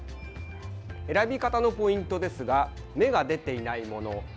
選び方のポイントですが芽が出ていないもの